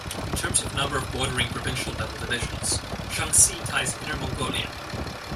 In terms of number of bordering provincial-level divisions, Shaanxi ties Inner Mongolia.